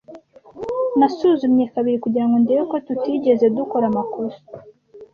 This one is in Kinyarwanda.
Nasuzumye kabiri kugirango ndebe ko tutigeze dukora amakosa.